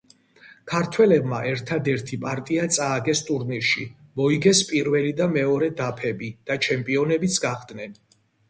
ქართველებმა ერთადერთი პარტია წააგეს ტურნირში, მოიგეს პირველი და მეორე დაფები და ჩემპიონებიც გახდნენ.